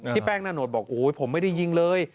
แป้งนาโนตบอกโอ้ยผมไม่ได้ยิงเลย